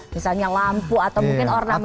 misalnya lampu atau mungkin ornamen ornamen apa gitu